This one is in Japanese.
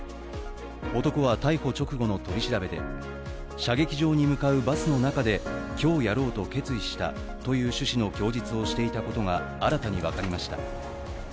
男は逮捕直後の取り調べで、射撃場に向かうバスの中で、今日やろうと決意したという趣旨の供述をしていたことが新たに分かりました。